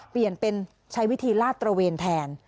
เปลี่ยนเป็นใช้วิธีลาดตระเวนแทน